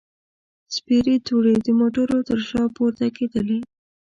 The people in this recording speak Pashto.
سپېرې دوړې د موټرو تر شا پورته کېدلې.